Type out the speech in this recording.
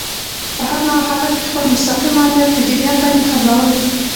په هر نوع حالت کي خپل مستقیم آمر په جریان باندي خبرول.